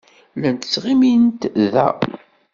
Llant ttɣimint da.